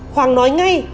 hoàng nói ngay